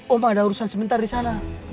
om ada urusan sebentar disana